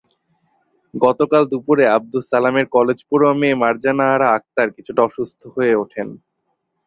গতকাল দুপুরে আবদুস সালামের কলেজপড়ুয়া মেয়ে মারজানা আরা আক্তার কিছুটা সুস্থ হয়ে ওঠেন।